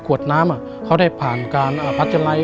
วดน้ำเขาได้ผ่านการพัชไลท